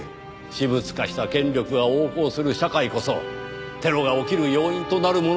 私物化した権力が横行する社会こそテロが起きる要因となるものです。